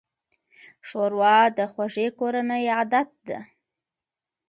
ښوروا د خوږې کورنۍ عادت ده.